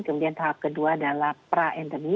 kemudian tahap kedua adalah pra endemi